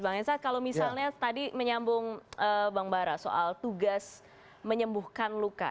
bang hensa kalau misalnya tadi menyambung bang bara soal tugas menyembuhkan luka